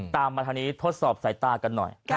ตามมาทางนี้ทดสอบสายตากันหน่อย